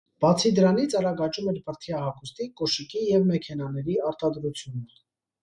Բացի դրանից արագ աճում էր բրդյա հագուստի, կոշիկի և մեքենաների արտադրությունը։